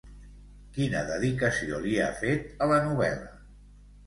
Quina dedicació li ha fet a la novel·la?